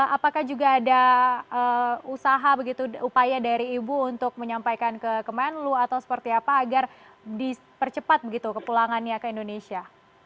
apakah juga ada usaha begitu upaya dari ibu untuk menyampaikan ke kemenlu atau seperti apa agar dipercepat begitu kepulangannya ke indonesia